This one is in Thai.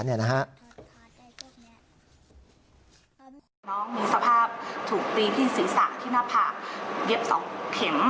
น้องมีสภาพถูกตีที่ศีรษะที่หน้าผากเย็บ๒เข็ม